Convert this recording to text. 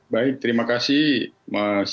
baik terima kasih mas